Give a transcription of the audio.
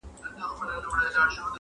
د جسمي فعالیت څخه لوېدل -